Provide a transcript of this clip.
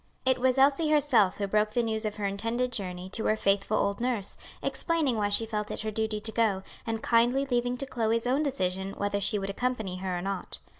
It was Elsie herself who broke the news of her intended journey to her faithful old nurse, explaining why she felt it her duty to go, and kindly leaving to Chloe's own decision whether she would accompany her or not.